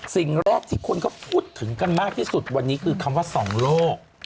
สิ่งแรกที่คนเขาพูดถึงกันมากที่สุดวันนี้คือคำว่าสองโลก